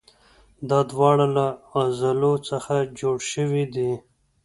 دا دواړه له عضلو څخه جوړ شوي دي.